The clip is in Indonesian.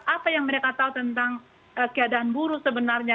apa yang mereka tahu tentang keadaan buruh sebenarnya